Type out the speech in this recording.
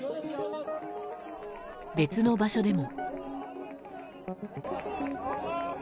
別の場所でも。